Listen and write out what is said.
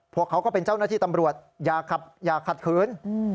พวกเขาก็เป็นเจ้าหน้าที่ตำรวจอย่าขัดขืน